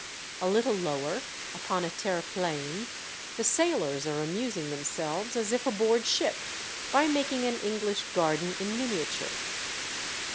A little lower, upon a terreplein, the sailors are amusing themselves, as if aboard ship, by making an English garden in mini ature.